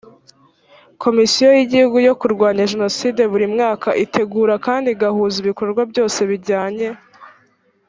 komisiyo y igihugu yo kurwanya jenoside buri mwaka itegura kandi igahuza ibikorwa byose bijyanye